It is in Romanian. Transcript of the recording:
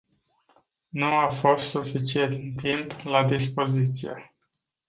Nu a fost suficient timp la dispoziție.